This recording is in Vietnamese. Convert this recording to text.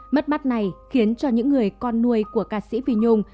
mất mắt này khiến cho những người con nuôi của ca sĩ vi nhung